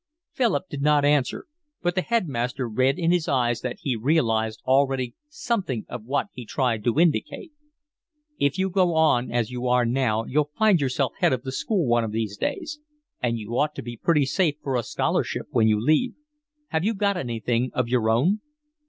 Philip did not answer, but the headmaster read in his eyes that he realised already something of what he tried to indicate. "If you go on as you are now you'll find yourself head of the school one of these days, and you ought to be pretty safe for a scholarship when you leave. Have you got anything of your own?"